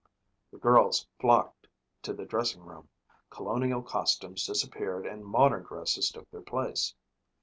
The girls flocked to the dressing room. Colonial costumes disappeared and modern dresses took their place.